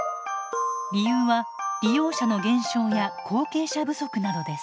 理由は利用者の減少や後継者不足などです。